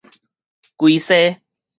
歸西